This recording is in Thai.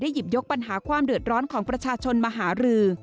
หยิบยกปัญหาความเดือดร้อนของประชาชนมาหารือ